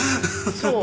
そう？